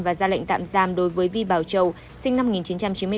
và ra lệnh tạm giam đối với vi bảo châu sinh năm một nghìn chín trăm chín mươi bốn